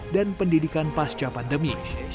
dan pendidikan pasca pandemi